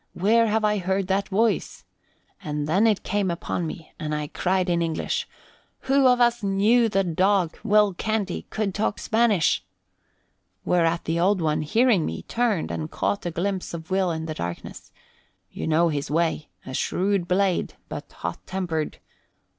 Where have I heard that voice?' And then it came upon me and I cried in English, 'Who of us knew the dog, Will Canty, could talk Spanish?' Whereat the Old One, hearing me, turned and caught a glimpse of Will in the darkness. You know his way a shrewd blade, but hot tempered.